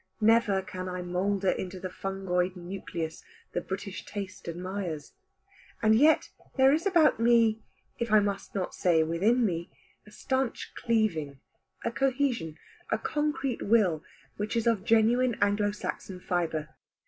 Never can I moulder into the fungoid nucleus the British taste admires. And yet there is about me, if I must not say within me, a stanch cleaving, a cohesion, a concrete will, which is of genuine Anglo Saxon fibre.